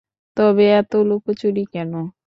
তবে এত লুকোচুরি কেন?